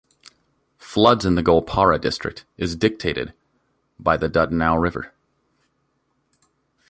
Floods in Goalpara district is dictated by the Dudhnoi river.